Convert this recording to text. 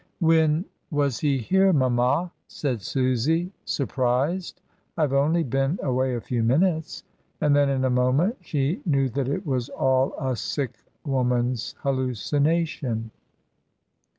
"When was he here, mamma?" said Susy, sur prised. "I have only been away a few minutes." And then in a moment she knew that it was all a sick woman's hallucination.